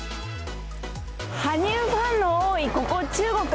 羽生ファンの多い、ここ中国。